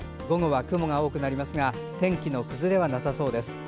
午後は雲が多くなりますが天気の崩れはなさそうです。